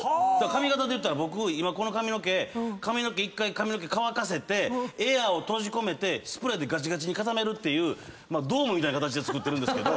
髪形でいったら僕今この髪の毛１回乾かせてエアを閉じ込めてスプレーでがちがちに固めるっていうドームみたいな形でつくってるんですけど。